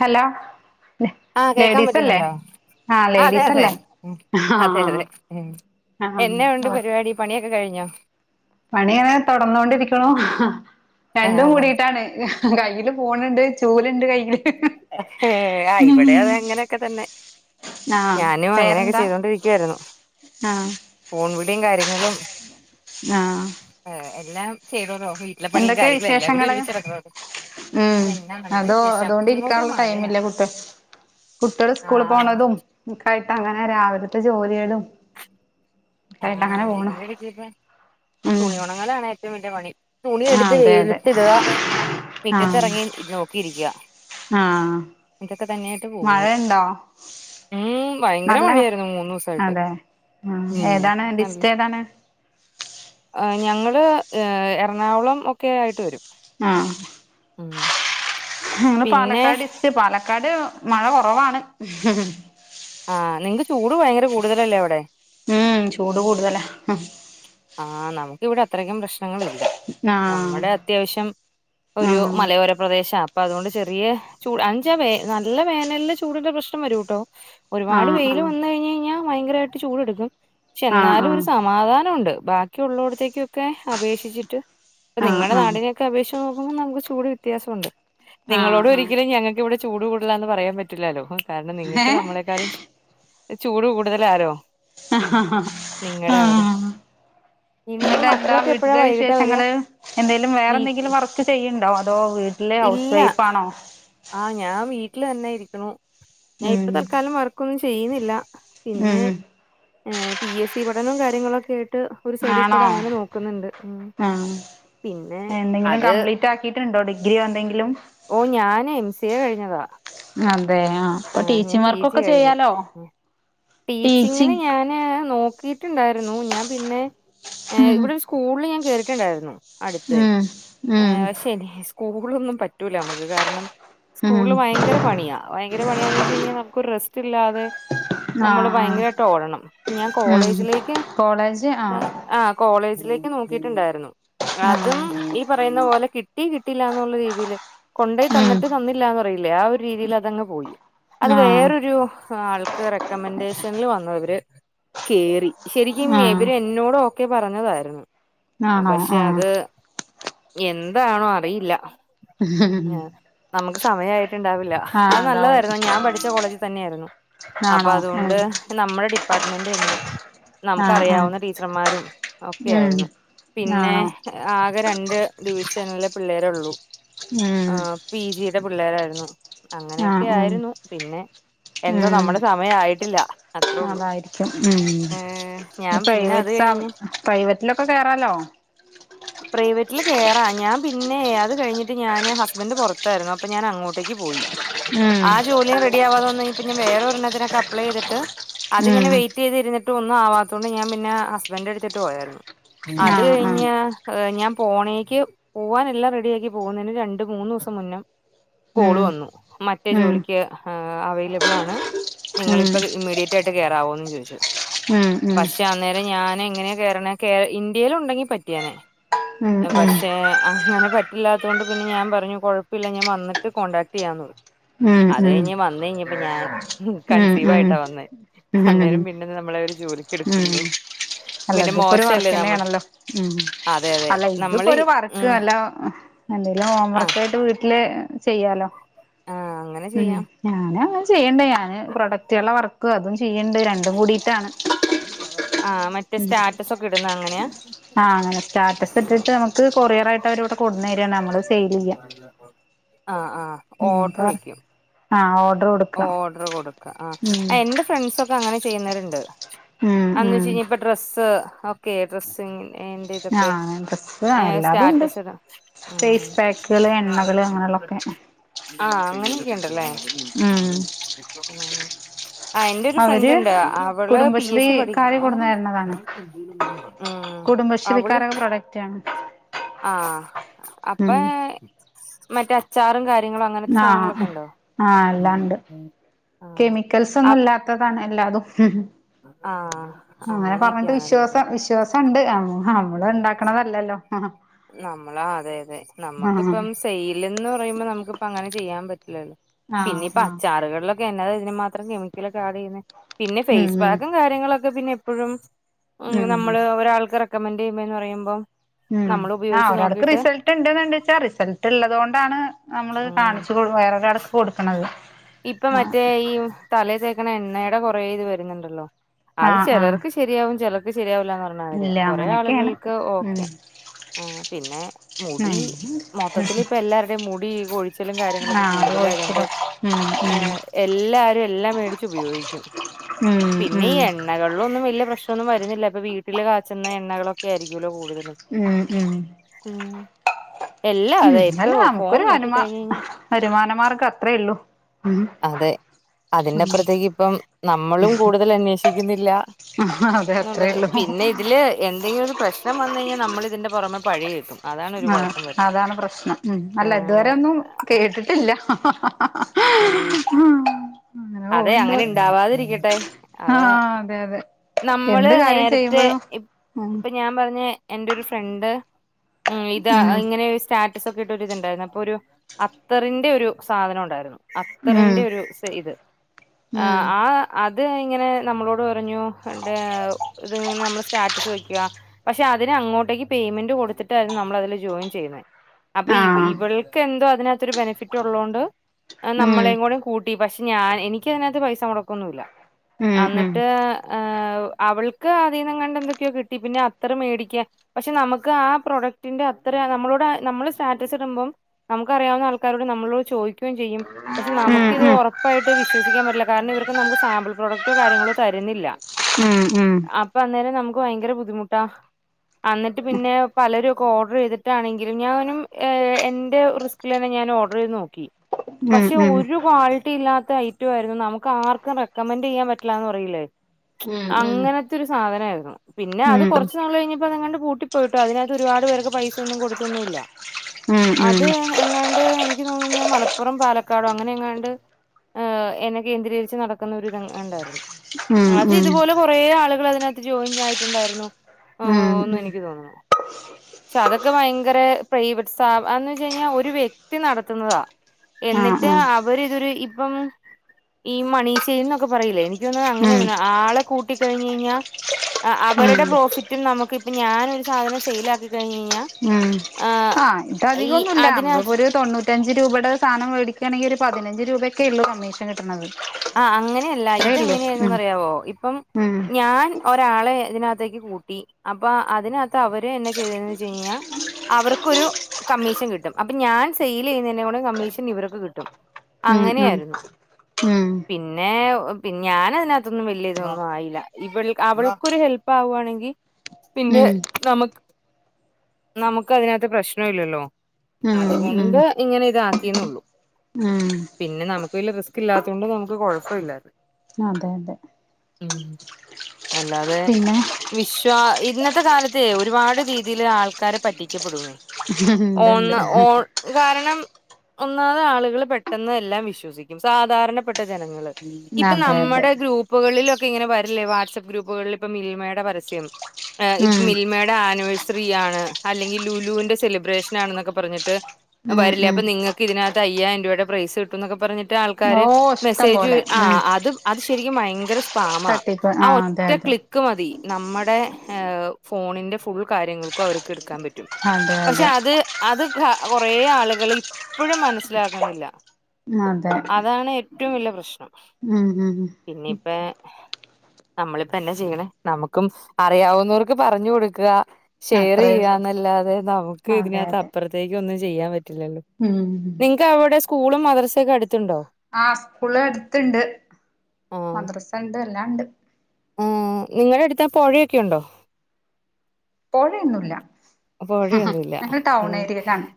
Hello ആഹ് കേൾക്കാൻ ലേഡീസല്ലേ പറ്റുന്നുണ്ടോ? ആഹ് അതെ അതെ ലേഡീസല്ലേ ഉം അതെ ആഹ് അതെ ഉം ആഹ് എന്നാ ഉണ്ട് പരിപാടി പണിയൊ കഴിഞ്ഞോ? പണി അങ്ങനെ തൊടർന്നോണ്ടിരിക്ക്‌ണു ആ രണ്ടും കൂടിയിട്ടാണ് കയ്യില് ഫോണ് ണ്ട് ചൂലുണ്ട് കയ്യില് ആ ഇവിടെ അതങ്ങനെയൊക്കെ തന്നെ ആഹ് ഞാനും അങ്ങനെയൊക്കെ പേരെന്താ ചെയ്തോണ്ടിരിക്കുവായിരുന്നു ആഹ് ഫോണ് വിളീം കാര്യങ്ങളും ആഹ് ഏ, എല്ലാം ചെയ്തോല്ലോ വീട്ടിലെ പണിയും എന്തൊക്കെയാ കാര്യങ്ങളും എല്ലാം കൂടി വിശേഷങ്ങള് ഒരുമിച്ചടക്കുണു എന്നാ നല്ല വിശേഷം ഇങ്ങോട്ട് ക്കാനുള്ള മഴയാ ടൈമില്ല കുട്ടെ കുട്ട്യാള് ആ സ്കൂളി പോണതും ക്കായിട്ട് അങ്ങനെ രാവിലത്തെ ജോല്യാളും ആഹ് ഇതിന്റെ രീതിപ ഉം തുണിയുണങ്ങാനാണ് ഏറ്റവും വലിയ പണി ആഹ് തുണിയെടുത്ത് അതെ അതെ വെയിലത്തിടാ ആഹ് മിറ്റത്തറങ്ങി നോക്കിയിരിക്കാ ആഹ് മഴ ഇണ്ടോ? ഉം ഭയങ്കര നല്ല മഴയായിരുന്നു മൂന്ന് ദിവസായിട്ട് അതെ ആഹ് ഉം ഏതാണ് നല്ല ഡിസ്റ്റ് ഏതാണ്? ആഹ് ഞങ്ങള് ഏ എറണാകുളം ഒക്കെ ആയിട്ട് വരും. ആഹ് ഉം ങ്ങള് പിന്നെ പാലക്കാട് ഡിസ്റ്റ് പാലക്കാട് മഴ കുറവാണ് ആ നിങ്ങക്ക് ചൂട് ഭയങ്കര കൂടുതലല്ലേ അവിടെ ചൂട് കൂടുതലാ ഉം ആഹ് നമുക്കിവിടെ അത്രക്കും പ്രശ്നങ്ങളില്ല ആഹ് നമ്മുടെ അത്യാവശ്യം ഒരു ആഹ് മലയോര പ്രദേശാ അപ്പൊ അതുകൊണ്ട് ചെറിയ ചൂട് അഞ്ചാവേ നല്ല വേനലിലെ ചൂടിന്റെ പ്രശ്നം വരൂട്ടോ ഒരുപാട് ആഹ് വെയിൽ ആഹ് വന്നു കഴിഞ്ഞ് കഴിഞ്ഞാൽ ഭയങ്കരായിട്ട് ചൂട് ഇടുക്കും പക്ഷെ ആഹ് എന്നാലും ഒരു സമാധാനംഉണ്ട് ബാക്കിയുള്ളോടത്തേക്കൊക്കെ അപേക്ഷിച്ചി ട്ട് ഇപ്പൊ ആഹ് ആഹ് നിങ്ങളുടെ ആഹ് നാടിനെയൊക്കെ അപേക്ഷിച്ച് നോക്കുമ്പം നമുക്ക് ചൂട് വ്യത്യാസമുണ്ട് ആഹ് നിങ്ങളോട് ആഹ് ഒരിക്കലും ഞങ്ങക്ക് ഇവിടെ ചൂട് കൂടലാ എന്ന് പറയാൻ പറ്റില്ലാലോ കാരണം നിങ്ങൾക്ക് ഏഹ് നമ്മളെക്കളും ചൂട് കൂടുതലാലോ അഹ ഹാ ആ നിങ്ങടെ അവിടെ ഇനിയിപ്പ നിങ്ങടെ എന്താ മക്കളൊക്കെ എപ്പഴാ വീട്ടന്റെ വൈകിട്ടാ വരിക വിശേഷങ്ങള് എന്തെേലും വേറെ വീട്ടിൽ എന്തെങ്കിലും വർക്ക് ചെയ്യുണ്ടോ ഇല്ല ആ ഞാൻ വീ വീട്ടിൽ തന്നെയിരിക്കണ ഞാൻ ഇപ്പ ഉം തൽക്കാലം വർക്കൊന്നും ചെയ്യുന്നില്ല പിന്നെ ഉം പി എസ് സി പഠനം കാര്യങ്ങളൊക്കെ ഒരു സൈഡി ആണോ കൂടെ അങ്ങനെ നോക്കുന്നുണ്ട് മ് ആഹ് എന്തെങ്കിലും കംപ്ലീറ്റ് ആക്കിട്ടുണ്ടോ ഡിഗ്രി ഓ ഞൻ എം സി എ കഴിഞ്ഞതാ അതെ ആ ഇപ്പൊ ഏഹ് ഞാൻ ടീച്ചിങ് പി വർ ജി ക്കൊക്കെ കഴിഞ്ഞ് ചെയ്യാലോ? ടീച്ചിങ്ങിന് ടീച്ചിങ് ഞാന് നോക്കിട്ടുണ്ടായിരുന്നു ഞാൻ പിന്നെ ഉം ഇവിടെ സ്കൂളിൽ ഞാൻ കേറിട്ടുണ്ടായിരുന്നു അടുത്ത് ഉം ഉം പക്ഷെ സ്കൂളൊന്നും പറ്റൂല നമുക്ക് കാരണം ഉം സ്കൂളിൽ ഭയങ്കര പണിയാ ഭയങ്കര പണിയാണെന്ന് വെച്ച് കഴിഞ്ഞാൽ നമുക്കൊരു റെസ്റ്റില്ലാതെ - ആ നമ്മള് ആ ഭയങ്കരമായിട്ട് ഓടണം ഞാൻ ഉം കോളേജിലേക്ക് ആ ആ കോളേജിലേക്ക് നോക്കിയിട്ടുണ്ടായിരുന്നു ആ അതും ഈ പറയുന്ന പോലെ കിട്ടി കിട്ടില്ലന്നുള്ള രീതിൽ കൊണ്ടയി ഉം തന്നിട്ട് തന്നില്ലാന്ന് പററിയില്ലേ ആ ഒരു രീതിയിൽ അതങ്ങ് പോയി അത് ആ വേറൊരു ആൾക്ക് റെക്കമെന്റേഷനിൽ വന്നവര് കേറി ശരിക്കും ആ വര് എന്നോട ഒക്കെ പറഞ്ഞതായിരുന്നു ആണോ പക്ഷെ ആ അത് എന്താണോ അറിയില്ല ഹ ഹാ ഏഹ് നമുക്ക് സമയായിട്ടുണ്ടാവില്ല അത് നല്ലതായിരുന്നു ഞാൻ പഠിച്ച കോളേജ് തന്നെയായിയിരുന്നു അപ്പൊ ആണോ അതുകൊണ്ട് ഉം നമ്മുടെ ഡിപ്പാർട്ട്മെന്റ് തന്നെയാ ആ നമുക്ക് ആ അറിയാവുന്ന ടീച്ചർമാരും ഒക്കെ ഉം ആയിരുന്നു പിന്നെ ആണോ ആകെ രണ്ട് ഡിവിഷനിലെ പിള്ളേരെ ഉള്ളൂ ഉം പി ജിയുടെ പിള്ളേരായിരുന്നു ആ അങ്ങനെയൊക്കെ ഉം ആയിരുന്നു പിന്നെ എന്തോ ഉം നമ്മുടെ സമയം ആയിട്ടില്ല അത്രേയള്ളൂ അതായിരിക്കും ഉം ഏർ ഈ ഞാൻ പിന്നെ അത് പ്രൈവറ്റ് കഴിഞ്ഞ് പ്രൈവറ്റിലൊക്കെ കയറലോ? ആ പ്രൈവറ്റിൽ കയറാ ഞാൻ പിന്നെ അത് കഴിഞ്ഞിട്ട് ഞാാന് ഹസ്ബൻറ് പുറത്തായിരുന്നു അപ്പൊ ഞാൻ അങ്ങോട്ടേക്ക് പോയി ഉം ആ ജോലും റെഡി ആവാതോന്നിപ്പ ഞാ വേറെരെണ്ണത്തിനക്കെ അപ്ലൈ ചെയ്തിട്ട് അതിങ്ങനെ ഉം വെയിറ്റ് ചെയ്തിരിട്ട് ഒന്നും ആവാത്തുകൊണ്ട് ഞാൻ പിന്നെ ഹസ്ബൻഡ് എടുത്തിട്ട് പോയായിരുന്നു അത് ആഹ് കഴിഞ്ഞ ആഹ് ഞാൻ പോണേക്ക് പോവാന എല്ലാം റെഡിിയക്കി പോകുന്നതിന് രണ്ട മൂന്ന് ദിവസം മുന്നേ കോള് ഉം വന്നു മറ്റേ ഉം ജോലിക്ക് അവൈലബിൾ ആണ്. നിങ്ങളിപ്പോ ഉം ഇമ്മീഡിയറ്റ് ആയിട്ട് കെയറാവോന്ന് ചോദിച്ചു. ഉം പക്ഷെ അന്നേരം ഞാൻ എങ്ങനെയാ കേറണ കേ ഇന്ത്യൽ ഉണ്ടെങ്കി പറ്റിയനെ. ഉം ഉം ഉം ഉം പക്ഷെ അങ്ങനെ പറ്റില്ലാത്ത കൊണ്ട് പിന്നെ ഞാൻ പറഞ്ഞു കൊഴപ്പമില്ല ഞാൻ വന്നിട്ട് കോണ്ടാക്ട് ചെയ്യാന്ന. അതു ഉം കഴിഞ്ഞ് വന്ന കയിഞ്ഞ് - അപ്പൊ ഞാൻ കൺസീവ് ആയിട്ടാ വന്നേ ഉം ഉം ഉം അന്നേരം പിന്നെന്നും നമ്മള അവര് ജോലിക്ക് എടുക്കല്ലോ. ഉം അല്ല ഇതിപ്പോ ഒരു വർക്ക് തന്നെയ ആണല്ലോ ഉം. അതെ അതെ അല്ല ഇതിപ്പോ നമ്മള് ഒരു വർക്ക് ഉം അല്ല എന്തെലും ഹോം വർക്ക് ആഹ് ആ [unintelligible] യിട്ട് വീട്ടില്- ചെയ്യാലോ ആഹ് അങ്ങനെ ഉം ചെയ്യാം ഞാന് അനെ ചെയ്യണ്ടേ ഞാന്- പ്രൊഡക്റ്റുകളുടെ വർക്കും അതും ചെയ്യണ്ട് രണ്ടും കൂടിട്ടാണ്. ആഹ് മറ്റേ മ് സ്റ്റാറ്റസ് ഒക്കെ ഇടുന്ന അങ്ങനെയാ ആ അങ്ങനെ സ്റ്റാറ്റസ് ഇട്ടിട്ട് നമുക്ക്- ഇവരവിടെ കൊടുന്ന തരിണ് നമ്മള് സെയിതുല്ല ആഹ് ആഹ് ഉം [unintelligible] ആഹ്‌ ഓ- ഓ ഓർഡകൊടുക്ക ആഹ്‌ എന്റെ ഫ്രണ്ട്സൊക്കെ അങ്ങനെ ചെയ്യുന്നവരുണ്ട് ഉം ഉം അന്നുച്ച്യ്ഞ്ഞ ഡ്രസ്സ് ഓക്കെ ഡ്രസ്സ് [unintelligible] ന്റെ തൊക്കെ ആഹ് ഡ്രസ്സ് ഏഹ്‌ എല്ലാതും ഉണ്ട് സ്റ്റാറ്റസ് ഇടാ ഫേസ് പാക്കുകള് എണ്ണകള് അങ്ങനെയുള്ളൊക്കെ ആഹ് അങ്ങനെയൊക്കെണ്ടല്ലേ ഉം ആഹ്‌ എന്റെ ഒരു അവര് ഫ്രണ്ട് അവളെ പിഎസ് സി പഠിക്കു കുടുംബശ്രീക്കാര് കുടുംബശ്രീക്കാര പ്രോഡക്റ്റ് ആണ് ആഹ് അപ്പ ഉം മറ്റേഅച്ചാറും കാര്യ കാര്യങ്ങള് അങ്ങനത്തെ സാധങ്ങളൊക്കെയുണ്ടോ? എല്ലാണ്ട് കെമിക്കൽസ് ഒന്നും അപ് ഇല്ലാത്തതാണ് എല്ലാതും. ആഹ് അങ്ങനെ പറഞ്ഞിട്ട് അങ്ങനെയൊക്കെയാണല്ലേ വിശ്വാസം വിശ്വാസുണ്ട് ആഹ് നമ്മള് ഇണ്ടാക്കണതല്ലല്ലോ? ആഹ് നമ്മളാ അതെ അതെ നമുക്കിപ്പം സെയ്‌ലിന്ന് പറയുമ്പോ നമുക്കിപ്പങ്ങനെ ചെയ്യാൻ പറ്റില്ലല്ലോ. പിന്നെ ആഹ് ഇപ്പോ ആഹ് അച്ചാറുകളിലൊക്കെ എന്നതാ ഇതിന് മാത്രം കെമിക്കലൊക്കെ ആഡ് ചെയ്യുന്നെ? പിന്നെ ഉം ഉം ഫേസ്പാക്കും കാര്യങ്ങളൊക്കെ പിന്നെ എപ്പഴും ഉം നമ്മള് ഒരാൾക്ക് റെക ക്കമന്റെയ്യുമ്പോന്ന് പറയുമ്പോ ഉം ആ ഒരാൾക്ക് റിസൾട്ടിണ്ട്ന്നെച്ചാ റിസൾട്ട് ഇള്ളതോണ്ടാണ് നമ്മള് ഉം കാണിച്ചു കൊടു വേറൊരാൾക്ക് കൊടുക്കണത്. ഇപ്പോ ആഹ് മറ്റേ ഈ തലേ തേ ക്കണ എണ്ണേടെ കൊറേ ഇത് വരുന്നുണ്ടല്ലോ അത് ആഹ് ആഹ് ചെലർക്ക് ശരിയാവും ചെലർക്ക് ശരി പറഞ്ഞാരിയാ ഇല്ല കൊറേ അങ്ങനെയൊക്കെയാണ് ആളുകൾക്ക് ഉം ഓക്കെ. ആഹ് പിന്നെ മുടി ഉം മൊത്തത്തിൽ ഇപ്പ എല്ലാരുടെയും മുടി കൊഴിച്ചലും കാര്യങ്ങളൊക്കെ ആഹ് അത് കൂടുതലാ തോണ്ട് ഒഴിച്ചിടും ഉം ഉം ഏഹ് എല്ലാരും എല്ലാം മേടിച്ച് ഉപയോഗിക്കും. ഉം പിന്നെ ഈ ഉം എണ്ണകളിലൊന്നും വല്യ പ്രശ് നൊന്നും വരുന്നില്ല ഇപ്പോ വീട്ടില് കാച്ചുന്ന എണ്ണകളൊക്കെയായിരിക്കുല്ലോ കൂടുതലും. ഉം ഉം ഉം എല്ലാ അതെ ഉം ഇപ്പൊ അല്ല ഫോൺ നമുക്കൊരു നോക്കി വരുമാ കഴിഞ്ഞ് കഴിഞ്ഞ വരുമാനമാർഗം അത്രേ ഉള്ളു. അതെ അതിന്റപ്പുറത്തേക്ക് ഇപ്പം നമ്മളും കൂടുതൽ അന്വേഷിക്കുന്നില്ലാ അതെ അത്രേ ന്നുള്ളത് ഉള്ളൂ പിന്നെ ഇതില് എന്തെങ്കിലും ഒരു പ്രശ്നം വന്നഴിഞ്ഞാ നമ്മൾ ഇതിന്റെ പുറമെ പഴി കേക്കും. അതാണ് ഒരു ആഹ് കുഴപ്പം വരുന്നത് അതാണ് പ്രശ്നം ഉം അല്ല ഇതുവരെ ആഹ് ഒന്നും കേട്ടിട്ടില്ല. ആഹ് അങ്ങനെ അതെ പോവ്ണ്ട് അങ്ങനെ ഇണ്ടാവാതിരിക്കട്ടെ അത് ആഹ് അതെ അതെ നമ്മള് എന്ത് കാര്യം നേരത്തെ ചെയ്യുമ്പഴും ഉം ഇപ്പോ ഞാൻ പറ ഞ്ഞ് എന്റൊരു ഫ്രണ്ട് ഉം ഇത് ഇങ്ങനെ സ്റ്റാറ്റസൊക്കെയിട്ട് ഒരു ഇതിണ്ടായിരുന്നു അപ്പോ ഒരു അത്തറിന്റെ ഒരു സാധനണ്ടായിരുന്നു ഉം അത്തറിന്റെ ഒരു സൈത് ആ ഉം ആ അത് ഇങ്ങനെ നമ്മളോട് പറഞ്ഞു കണ്ടാ ഇത്ങ്ങനെ നമ്മള് സ്റ്റാറ്റസ് വെക്ക പക്ഷെ അതിനങ്ങോട്ടേക്ക് പേയ്മെന്റ് കൊടുത്തിട്ടായിരുന്നു നമ്മൾ അതിൽ ജോയിൻ ചെയ്യുന്നെ അപ്പൊ ഇവ ആഹ് ഇവൾക്കെന്തോ അതിനകത്തൊരു ബെനഫിറ്റൊള്ളോണ്ട് ഉം നമ്മളേ കൂടെ കൂട്ടി പക്ഷ ഞാൻ എനിക്ക് ഇതിന് അകത്ത് പൈസ മൊടക്കൊന്നുയില്ല. ഉം ആ ഉം ഉം ഇന്നെട്ട് ഉം ഏ അവൾക്ക് അതീന്ന് എങ്ങാണ്ട്, എന്തൊക്കെയോ കിട്ടി. പിന്നെ അത്തെറ് മേടിക്കാൻ പക്ഷെ നമ്മെക്ക് ആ പ്രൊഡക്റ്റ് തിന്റെ അത്രെ അയ് നമ്മളോട് അയ് നമ്മൾ സ്റ്റാറ്റെസ് ഇടുമ്പം നമുക്ക് അറിയാവുന്ന ആൾക്കാരോട് നമ്മളോട് ചോയി ക്കും ചെയ്യും. പക്ഷെ നമുക്കിത് ഉം ഒറപ്പായിട്ട് വിശ്വസിക്കാൻ പറ്റ്ല്ല കാരണം ഇവർക്ക് നമ്മ്ക്ക് സാമ്പിൾ പ്രൊഡക്റ്റോ കാര്യങ്ങളോ തര്ന്നില്ല. ഉം ഉം ഉം ഉം അപ്പ അന്നേരം നമ്മ് ഇപ്പം ഭയങ്കര ബുദ്ധിമുട്ടാ. ആ ഇന്നെട്ട് പിന്നെ പലെരും ക്കെ ഓഡെർ ചെയ്തിട്ടാണെങ്കിലും ഞാനും ഏ എന്റെ റിസ്ക്കിലെന്നെ ഞാൻ ഓഡെർ ചെയ്ത് നോക്കി ഉം ഉം ഉം പക്ഷെ ഉം ഒര് ക്വാളിറ്റി ഇല്ലാ ത്ത ഐറ്റുവായിരുന്നു നമുക്ക് ആർക്കും റെക്കമെന്റ് ചെയ്യാൻ പറ്റില്ലാന്ന് പറയില്ലെ അങ്ങനെത്തെ ഒര് സാധനായിരുന്നു പിന്നെ അത് കൊറച്ച് നാൾ കഴിഞ്ഞപ്പോ അതെങ്ങാണ്ട് പൂട്ടി പോയിട്ടോ അതിന് അകെത്ത് ഒരുപാട് പേർക്ക് പൈസൊന്നും കൊട്ത്തൊന്നും ഇല്ല അത് എങ്ങാണ്ട് എനിക്ക് തോന്നുന്നെ മലപ്പു പ്പുറം പാലക്കാടോ അങ്ങനെ എങ്ങാണ്ട് ഏ എന്നെ കേന്ദ്രീകരിച്ച് നടക്ക്ന്നൊരു ഇതെങ്ങാണ്ട് ആയിരുന്നു അത് ഉം ഇതുപോലെ കൊറേ ആളുകൾ അതിന് അകെത്ത് ജോയിൻ ആയിട്ട് ഇണ്ടായിരുന്നു ഉം ഉം ഓന്ന് ഉം എനിക്ക് തോന്നുന്നു ക്ഷെ അതൊക്കെ ഭയങ്കരെ പ്രൈവറ്റ് സ്ഥാപ അയെന്ന് വെച്ച് കഴിഞ്ഞാ ഒരു വ്യക്തി നടത്തുന്നെതാ ആഹ് എന്നിട്ട് ആഹ് അവര് ഇതൊരു ഇപ്പം ഈ മണീ ചെയിൻന്നൊക്കെ പറിയിലെ എനിക്ക് തോന്നുന്നു അങ്ങനെ ഉം തോന്നുന്നു ആളെ കൂട്ടി കഴിഞ്ഞെഴിഞ്ഞാൽ അ ഉം അവരുടെ പ്രോഫിറ്റും നമുക്ക് കി ഇപ്പ ഞാനൊര് സാധനം സെയിൽ ആക്കിട്ട് ഉം ആ ഇത് ഈ അധികം ഒന്നും ഇല്ല നമ്മളിപ്പോ അതിനകത്ത് ഒര് തൊണ്ണൂറ്റി റ്റഞ്ച് രൂയുടെ സാനം വേടിക്കാണെങ്കി ഒര് പതിനഞ്ച് രൂപയൊക്കെ ഉള്ളു കമ്മീഷൻ കിട്ട്ണെത് ആ അങ്ങനെയല്ല ഇതെങ്ങനെയായിരുന്നുന്ന് അറിയാവോ ഇപ്പം ഉം ഞാൻ ഒരാളെ ഇതിന് അകത്തേക്ക് കൂട്ടി അപ്പ അതിന് അകെത്ത് അവരെന്നാ ചെയ്തേന്ന് വെച്ച് കഴിഞ്ഞാ അവർക്കൊരു കമ്മീഷൻ കിട്ടും അപ്പ ഞാൻ സെയിൽ ചെയ്യുന്നെയിൻ്റെ കൂടെ കമ്മീഷൻ ഇവര്ക്ക് കിട്ടും ഉം ഉം അങ്ങനെയായിരുന്നു ഉം പിന്നെ ഓ പി ഞാൻ അതിന് അകെത്തൊന്നും വല്ലിയ ഇതൊന്നും ആയില്ല ഇവൾ അവൾക്കൊര് ഹെൽപ്പ് ആവു ആണെങ്കി പിന്നെ ഉം നമ്ക്ക് നമുക്ക് അതിന് അകെത്ത് പ്രശ്ന ഇല്ലല്ലോ ഉം അതുകൊണ്ട് ഇങ്ങനെ ഇതാക്കിന്നെ ഒള്ളു ഉം ഉം പിന്നെ നമുക്ക് വല്ല്യ റിസ്ക് ഇല്ലാ ത്തോണ്ട് നമുക്ക് കൊഴപ്പം ഇല്ലാത്തെ അതെ അതെ അല്ലാതെ പിന്നെ വിശ്വാ ഇന്നെ ത്തെ കാലത്തെ ഒരുപാട് രീതി ൽ ആൾക്കാരെ പറ്റിക്കപ്പെടുംന്നെ ഉണ്ട് ഉണ്ട് ഓന്ന് ഓൺ അയ് കാരണം ഒന്നാമെത് ആളുകൾ പെട്ടെന്ന് എല്ലാം വിശ്വസിക്കും സാധാരണപ്പെട്ട ജനങ്ങൾ ഇപ്പ അതെ അതെ നമ്മെടെ ഗ്രൂപ്പുകളിലൊക്കെ ഇങ്ങനെ വരില്ലേ വാട്സ്ആപ്പ് ഗ്രൂപ്പുകെളിൽ ഇപ്പം മിൽമെയ്ടെ പരസ്യം ഇപ്പ ഉം മിൽമെയ്ടെ ആനിവേഴ്സ് സ്റിയാണ് ആണ് അല്ലെങ്കിൽ ലുലുന്റെ സെലിബ്രേഷൻ ആണ് ഇന്നൊക്കെ പറഞ്ഞിട്ട് ഉം വരില്ലെ അപ്പ ഉം നിങ്ങക്ക് ഇതിന് അകെത്ത് തെ അയ്യായിരം രൂപയുടെ പ്രൈസ് കിട്ടുന്നൊക്കെ പറഞ്ഞിട്ട് ഓ ആൾക്കാര് ഇഷ്ടം മെസേജു പോലെ ആ ഉം അത് അത് ഇഷ് ശരിക്കും ഭയങ്കര സ്പാമാ തട്ടിപ്പ് ആ അതെ ഒറ്റ അതെ ക്ലിക്ക് മതി നമ്മെടെ ഏയ് ഫോണിൻ്റെ ഫുൾ കാര്യങ്ങൾക്കും അവര്ക്ക് ഇട്ക്കാൻ പ റ്റും അതെ പക്ഷെ അതെ അത് അത് ക്കെ കൊറേ ആൾകൾ ഇപ്പഴും മന്സിലാക്ക്ന്നില്ല ഉം അതെ റ്റെവും വല്ലിയ പ്രശ്നം ഉം ഉം പിന്നെ ഇപ്പെ നമ്മളിപ്പ എന്നാ ചെയ്യ്ണേ നമ്മ്ക്കും അറിയാവുന്നൊർക്ക് പറഞ്ഞ് കൊട്ക്ക്കാ ഷെയർ അത്രേ ഉള്ളൂ ചെയ്യാന്ന് അല്ലാതെ നമുക്ക് ഇതിന് അതെ അകെത്ത് അതെ അപ്പെറ്ത്തേക്ക് ഒന്നും ചെയ്യാൻ പറ്റ് ല്ലല്ലോ ഉം നിങ്ങക്ക് അവിടെ സ്കൂളും മദ്രസക്കെ അടു ആ സ്കൂള് അടുത്ത് ഇണ്ട് മദ്രസ ഇണ്ട് എല്ലാണ്ട് ഉം നിങ്ങടെ അടുത്ത് പുഴയൊക്കെ ഉണ്ടോ പോഴയൊന്നുല്ല അപ്പ വഴിയൊന്നും ഇല്ല ഞങ്ങൾ ടൗൺ ഏരിയയിലാണ്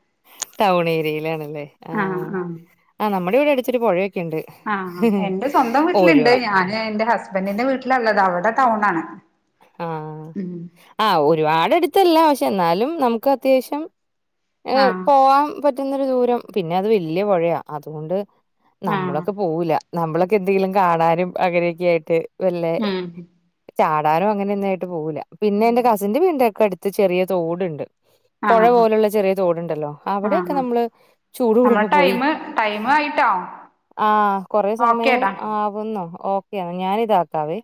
ടൗൺ ഏരിയയിലാൺ അല്ലെ ആ ആഹ് ആ നമ്മടെ ഇവ്ടെ ഇച്ചിരി പൊഴയൊ ആ എന്റെ സ്വന്തം വീട്ട്ൽ ഓരുവ ഇണ്ട് ഞാന് എൻ്റെ ഹസ്ബൻറിന്റെ വീട്ടിലാ ഇള്ളെത് അവ്ടെ ടൗൺ ആണ് ആ ആ ഒരുപാട് അടുത്ത് അല്ല പക്ഷെ എന്നാലും നമുക്ക് അത്യാവശ്യം ഏ ആഹ് പോവാൻ പറ്റുന്നൊരു ദൂരം പിന്നെ അത് വലിയ പുഴയാ അതുകൊണ്ട് ആഹ് നമ്മളൊക്കെ പോവില്ല നമ്മളൊക്കെ എന്തെങ്കിലും കാണാനും അങ്ങനക്കെ ആയിട്ട് വെല്ലേ ഉം ചാടാനും അങ്ങനെ ഒന്നും ആയിട്ട് പോവില്ല പിന്നെ എന്റെ കസിന്റെ വീടിന്റെ ഒക്കെ അടു ത്ത് ചെറിയ തോട്ണ്ട് പുഴ ആഹ് പോലുള്ള ചെറിയ തോടുണ്ടല്ലോ അവിടൊക്കെ ആഹ് നമ്മള് ചൂട് നമ്മളെ കൂടുമ്പോ പോയി ടൈമ് ടൈം ആയിട്ടോ ആ കൊറെ സമയം ഓക്കേടാ ആവുന്നു ഓക്കെ ഞാന് ഇതാക്കാവേ